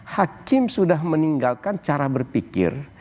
hakim sudah meninggalkan cara berpikir